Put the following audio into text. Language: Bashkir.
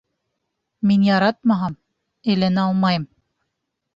Мин яратмаһам, әйләнә алмайым.